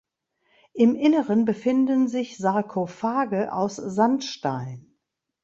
Im Inneren befinden sich Sarkophage aus Sandstein.